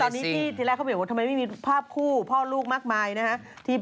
ตอนนี้ที่แรกเขาบอกว่าทำไมไม่มีภาพคู่พ่อลูกมากมายนะฮะ